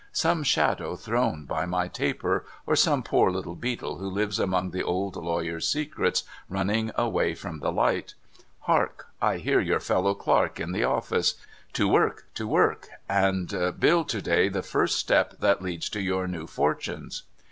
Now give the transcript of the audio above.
Some shadow thrown by my taper ; or some poor little beetle, who lives among the old lawyer's secrets, running away from the light. Hark ! I hear your fellow clerk in the office. To work ! to work ! and build to day the first step that leads to your new fortunes